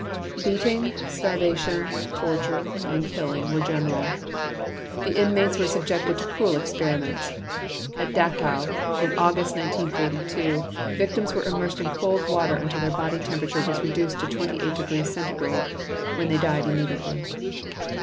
Beating, starvation, torture, and killing were general. The inmates were subjected to cruel experiments; at Dachau in August 1942, victims were immersed in cold water until their body temperature was reduced to 28° Centigrade, when they died immediately.